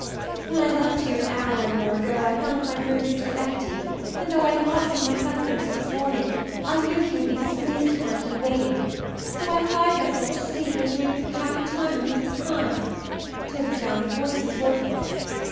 "When I left here an hour or more ago I found my rooms still empty, and, though I had not seen my husband since morning, I knew he would be displeased to find me waiting, so I cried myself to sleep and dreamed of the happy time when he was kind, till the sound of voices woke me.